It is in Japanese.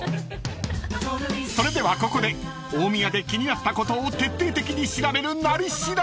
［それではここで大宮で気になったことを徹底的に調べる「なり調」］